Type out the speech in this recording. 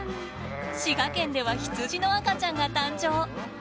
滋賀県では羊の赤ちゃんが誕生。